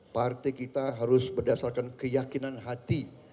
partai kita harus berdasarkan keyakinan hati